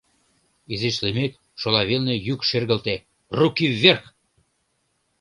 Изиш лиймек, шола велне йӱк шергылте: «Руки вверх!»